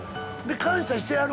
感謝してはる？